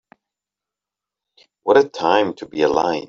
What a time to be alive.